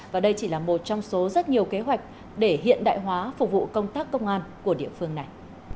và đây chỉ là một trong số rất nhiều kế hoạch để hiện đại hóa phục vụ công tác công an của địa phương này